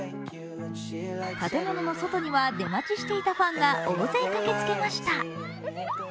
建物の外には出待ちしていたファンが大勢駆けつけました。